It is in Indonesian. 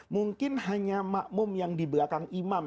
mungkin hanya makmum yang di belakang imam